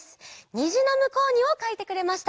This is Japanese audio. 「にじのむこうに」をかいてくれました。